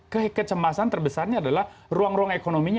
kecemasan terbesarnya adalah ruang ruang ekonominya